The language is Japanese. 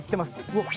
うわっ